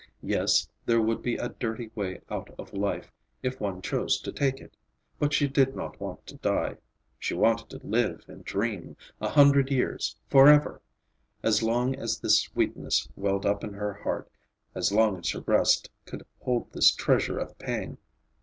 Yes, there would be a dirty way out of life, if one chose to take it. But she did not want to die. She wanted to live and dream—a hundred years, forever! As long as this sweetness welled up in her heart, as long as her breast could hold this treasure of pain!